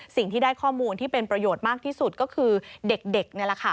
สิ่งที่ได้ข้อมูลที่เป็นประโยชน์มากที่สุดก็คือเด็กนี่แหละค่ะ